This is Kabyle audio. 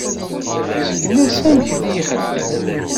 Sken-as amek di ixdem.